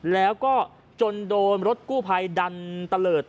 แล้วก็จนโดนรถกู้ภัยดันตะเลิศ